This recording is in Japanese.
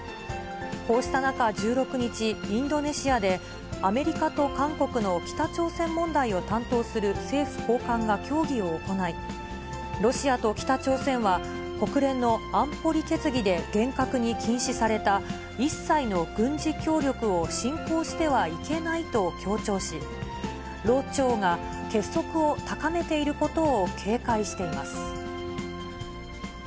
こうした中１６日、インドネシアでアメリカと韓国の北朝鮮問題を担当する政府高官が協議を行い、ロシアと北朝鮮は国連の安保理決議で厳格に禁止された一切の軍事協力を進行してはいけないと強調し、ロ朝が結束を高めていることを警戒しています。